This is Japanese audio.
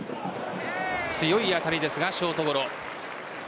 強い当たりですがショートゴロ。